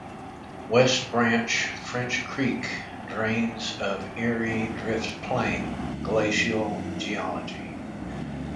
West Branch French Creek drains of Erie Drift Plain (glacial geology).